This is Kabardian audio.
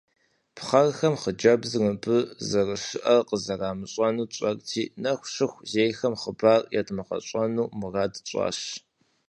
Пхъэрхэм хъыджэбзыр мыбы зэрыщыӀэр къызэрамыщӀэнур тщӀэрти, нэху щыху зейхэм хъыбар едмыгъэщӀэну мурад тщӀащ.